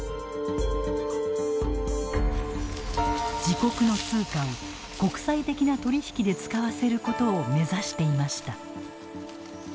自国の通貨を国際的な取り引きで使わせることを目指していました。